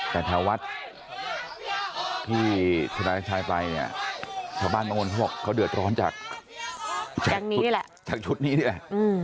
แต่ถ้าวัดที่สุนัขชายไปชาวบ้านมงวลเขาบอกเขาเดือดร้อนจากชุดนี้นี่แหละ